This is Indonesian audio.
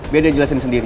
biar dia jelasin sendiri